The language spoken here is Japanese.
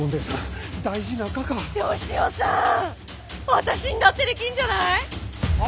私んだってできんじゃない？は？